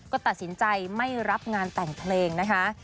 ก็ตัดสินใจไม่รับงานแต่งเพลงนะคะ